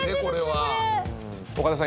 岡田さん